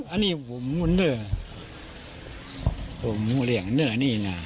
อันนี้ผมเหลี่ยงเนื้อ